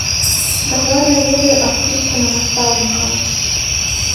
Дакладна ведаю аб ціску на настаўнікаў.